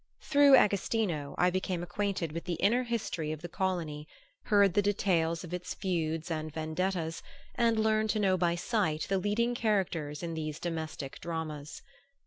Through Agostino I became acquainted with the inner history of the colony, heard the details of its feuds and vendettas, and learned to know by sight the leading characters in these domestic dramas.